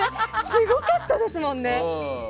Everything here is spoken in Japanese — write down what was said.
すごかったですもんね。